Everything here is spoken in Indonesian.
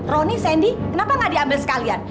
roni sandy kenapa nggak diambil sekalian